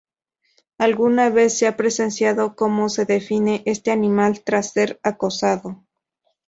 Alguna vez se ha presenciado cómo se defiende este animal tras ser acosado.